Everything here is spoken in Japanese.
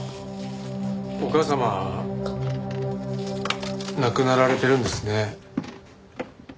お母様亡くなられてるんですね。